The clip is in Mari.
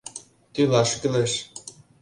Тӱлаш кӱлеш.